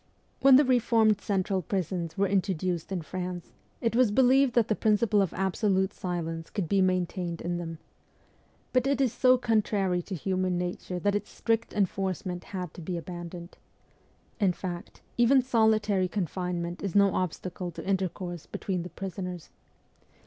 278 MEMOIRS OF A REVOLUTIONIST When the reformed central prisons were introduced in France, it was believed that the principle of absolute silence could be maintained in them. But it is so contrary to human nature that its strict enforcement had to be abandoned. In fact, even solitary con finement is no obstacle to intercourse between the prisoners.